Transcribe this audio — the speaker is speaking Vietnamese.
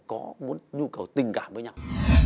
có một nhu cầu tình cảm với nhau